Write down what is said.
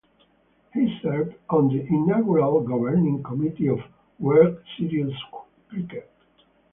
He served on the inaugural governing committee of World Series Cricket.